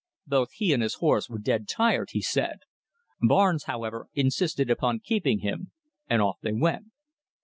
Both he and his horse were dead tired, he said. Barnes, however, insisted upon keeping him, and off they went.